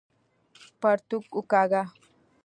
پرتوګ وکاږه!